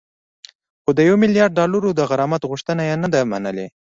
خو د یو میلیارد ډالرو د غرامت غوښتنه یې نه ده منلې